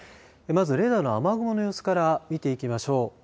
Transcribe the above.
まずレーダーの雨雲の様子から見ていきましょう。